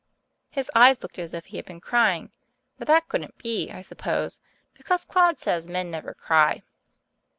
His eyes looked as if he had been crying, but that couldn't be, I suppose, because Claude says men never cry.